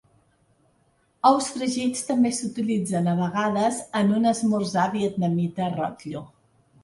Ous fregits també s'utilitzen a vegades en un esmorzar vietnamita rotllo.